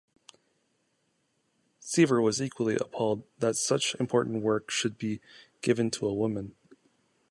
Sevier was equally appalled that such important work should be given to a woman.